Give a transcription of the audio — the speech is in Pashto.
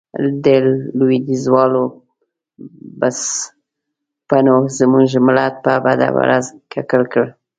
د لوېديځوالو بسپنو زموږ ملت په بده ورځ ککړ کړ.